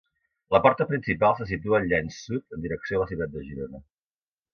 La porta principal se situa al llenç sud en direcció a la ciutat de Girona.